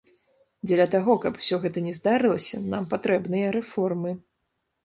Дзеля таго, каб усё гэта не здарылася, нам патрэбныя рэформы.